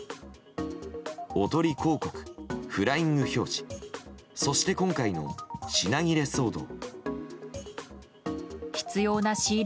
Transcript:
おとり広告、フライング表示そして今回の品切れ騒動。